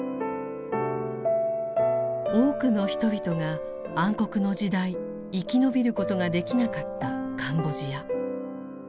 多くの人々が暗黒の時代生き延びることができなかったカンボジア。